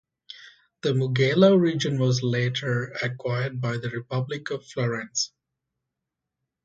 The Mugello region was later acquired by the Republic of Florence.